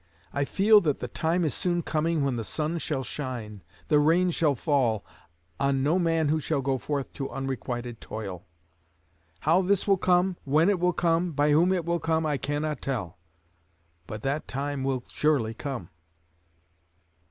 I feel that the time is soon coming when the sun shall shine, the rain shall fall, on no man who shall go forth to unrequited toil.... How this will come, when it will come, by whom it will come, I cannot tell; but that time will surely come."